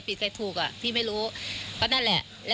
ที่แบบนี้ออกมาจากวันต้องกลับไปกัน